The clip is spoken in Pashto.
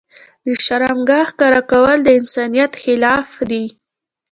د شرمګاه ښکاره کول د انسانيت خلاف دي.